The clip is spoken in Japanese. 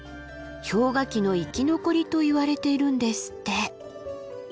氷河期の生き残りといわれているんですって。